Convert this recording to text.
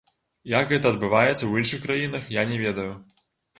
Як гэта адбываецца ў іншых краінах, я не ведаю.